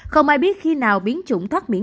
không ai biết khi nào biến chủng thoát miễn phí